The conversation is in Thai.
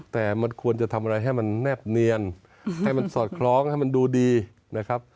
แต่มันควรจะทำอะไรให้มันแนบเนียนให้มันสอดคล้องให้มันดูดีนะครับ